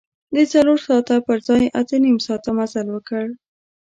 د څلور ساعته پر ځای اته نیم ساعته مزل وکړ.